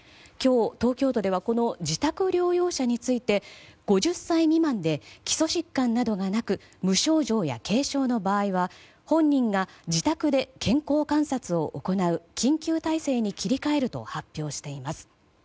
今日、東京都では自宅療養者について５０歳未満で基礎疾患などがなく無症状や軽症の場合は本人が自宅で健康観察を行う緊急態勢に切り替えると発表しています。